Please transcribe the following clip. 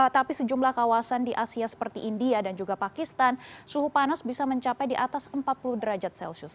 tapi sejumlah kawasan di asia seperti india dan juga pakistan suhu panas bisa mencapai di atas empat puluh derajat celcius